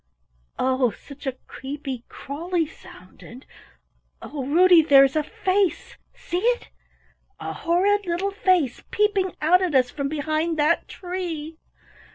"Oh, such a creepy, crawly sound, and Oh, Ruddy there is a face see it? A horrid little face peeping out at us from behind that tree!"